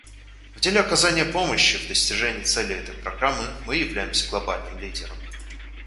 В деле оказания помощи в достижении целей этой Программы мы являемся глобальным лидером.